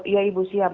iya ibu siap